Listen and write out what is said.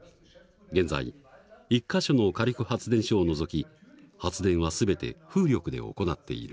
現在１か所の火力発電所を除き発電は全て風力で行っている。